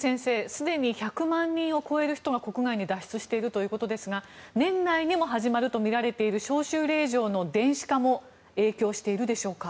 すでに１００万人を超える人が国外に脱出しているということですが年内にも始まるとみられている招集令状の電子化も影響しているでしょうか。